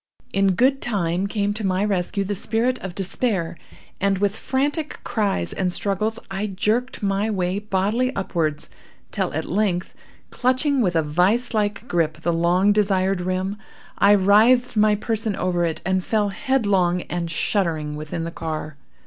In good time came to my rescue the spirit of despair, and, with frantic cries and struggles, I jerked my way bodily upwards, till at length, clutching with a vise like grip the long desired rim, I writhed my person over it, and fell headlong and shuddering within the car.